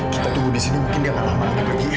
kita tunggu di sini mungkin gak lama lagi pergi ya